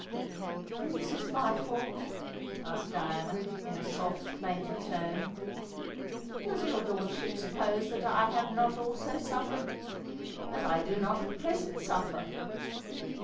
"And is this my fault?" asked Diana, in a soft plaintive tone. "Does your lordship suppose that I have not also suffered—that I do not at present suffer?"